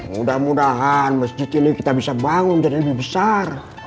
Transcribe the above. mudah mudahan masjid ini kita bisa bangun jadi lebih besar